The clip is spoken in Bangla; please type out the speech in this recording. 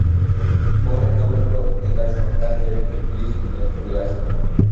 পরের নভেম্বর, তিনি তার সন্তানদের নিয়ে ফিলিস্তিনে চলে আসেন।